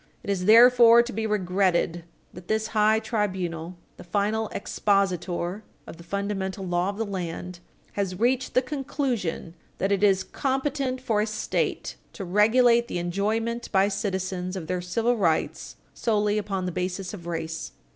It is therefore to be regretted that this high tribunal, the final expositor of the fundamental law of the land, has reached the conclusion that it is competent for a State to regulate the enjoyment by citizens of their civil rights solely upon the basis of race.